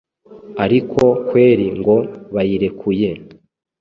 ariko kweri ngo bayirekuye